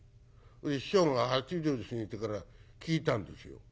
師匠が８０過ぎてから聞いたんですよ。